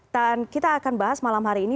dan kita akan bahas malam hari ini